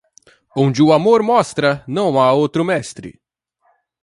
Onde o amor mostra, não há outro mestre.